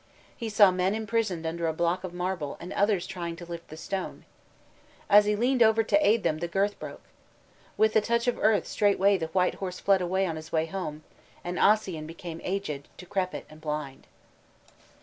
He saw men imprisoned under a block of marble and others trying to lift the stone. As he leaned over to aid them the girth broke. With the touch of earth "straightway the white horse fled away on his way home, and Ossian became aged, decrepit, and blind."